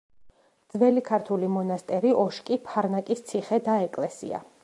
ძველი ქართული მონასტერი ოშკი, ფარნაკის ციხე და ეკლესია.